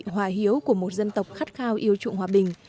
hòa hiếu của một dân tộc khắt khao yêu trụng hòa bình